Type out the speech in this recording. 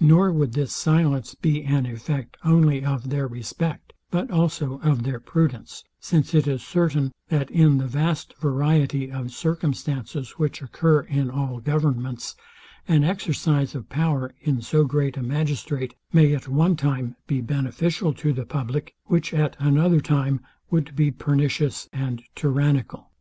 Nor would this silence be an effect only of their respect, but also of their prudence; since it is certain, that in the vast variety of circumstances, which occur in all governments, an exercise of power, in so great a magistrate, may at one time be beneficial to the public, which at another time would be pernicious and tyrannical.